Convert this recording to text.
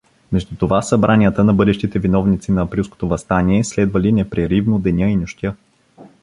Между това събранията на бъдещите виновници на Априлското въстание следвали непреривно деня и нощя.